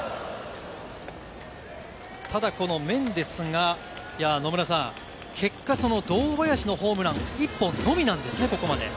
ただ、このメンデスが野村さん、結果その堂林のホームラン１本のみなんですよね、ここまで。